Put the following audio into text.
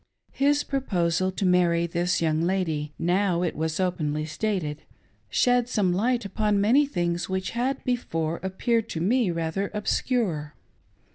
His proposal to marry this young lady, now it was openly stated, shed light upon many things which had before appeared to me rather obscure.